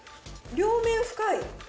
両面深い。